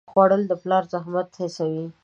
خوړل د پلار زحمت حسوي